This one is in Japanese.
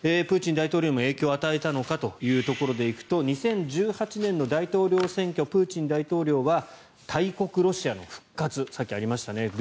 プーチン大統領にも影響を与えたのかというところでいくと２０１８年の大統領選挙プーチン大統領は大国ロシアの復活さっきありましたね